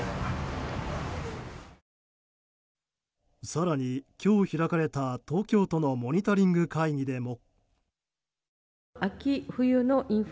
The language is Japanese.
更に今日開かれた東京都のモニタリング会議でも。